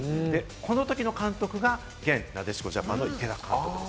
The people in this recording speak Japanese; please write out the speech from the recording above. このときの監督が元なでしこジャパンの池田監督。